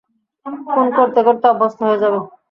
খুন করতে করতে অভ্যস্ত হয়ে যাবে।